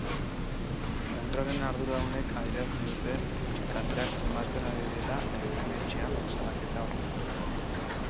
Zentroaren arduradunek adierazi dute kalteak zenbatzen ari direla ertzain-etxean salaketa aurkezteko.